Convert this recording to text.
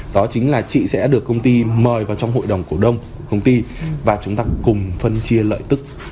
đó chính là chị sẽ được công ty mời vào trong hội đồng cổ đông công ty và chúng ta cùng phân chia lợi tức